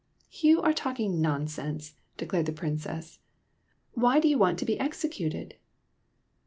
" You are talking nonsense," declared the Princess. " Why do you want to be exe cuted?"